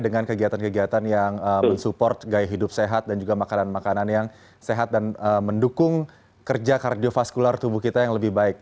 dengan kegiatan kegiatan yang mensupport gaya hidup sehat dan juga makanan makanan yang sehat dan mendukung kerja kardiofaskular tubuh kita yang lebih baik